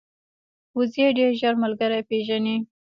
وزې ډېر ژر ملګري پېژني